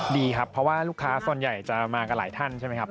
ดีครับเพราะว่าลูกค้าส่วนใหญ่จะมากันหลายท่านใช่ไหมครับ